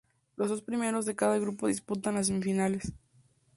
Los dos primeros de cada grupo disputan las semifinales.